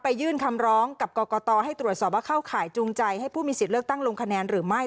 ยื่นคำร้องกับกรกตให้ตรวจสอบว่าเข้าข่ายจูงใจให้ผู้มีสิทธิ์เลือกตั้งลงคะแนนหรือไม่